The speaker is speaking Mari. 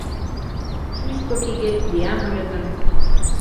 Шӱшпык игет лиям ыле гын